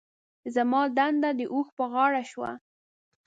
زما دنده د اوښ په غاړه شوه.